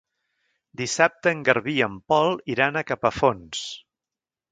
Dissabte en Garbí i en Pol iran a Capafonts.